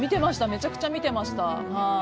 めちゃくちゃ見ていました。